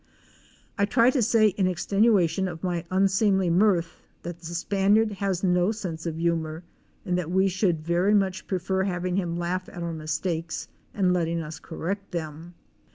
I try to say in extenuation of my unseemly mirth that the Spaniard has no sense of humor and that we should very much prefer having him laugh at our mistakes and letting us correct them.